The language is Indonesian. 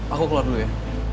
aku keluar dulu ya